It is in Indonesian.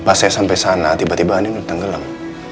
ketika sampai sana tiba tiba andien udah tenggelam